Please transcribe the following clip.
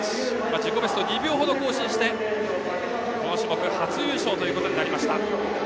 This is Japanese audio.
自己ベストを２秒ほど更新してこの種目初優勝となりました。